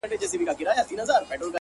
صبر د اوږدو موخو تر ټولو قوي ملګری دی